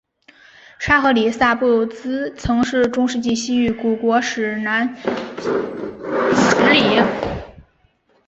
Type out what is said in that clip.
沙赫里萨布兹曾是中世纪西域古国史国南十里。